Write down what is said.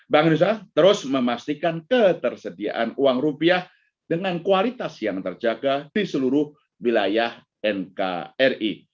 bank indonesia terus memastikan ketersediaan uang rupiah dengan kualitas yang terjaga di seluruh wilayah nkri